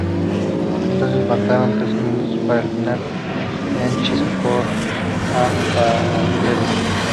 Entonces, faltando trece minutos para el final, Bianchi sacó a Palermo.